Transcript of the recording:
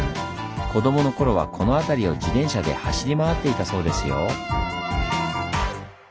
子供の頃はこの辺りを自転車で走り回っていたそうですよ。